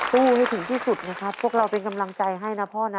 ให้ถึงที่สุดนะครับพวกเราเป็นกำลังใจให้นะพ่อนะ